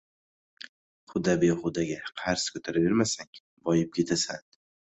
– huda-behudaga qarz ko‘taravermasang boyib ketasan;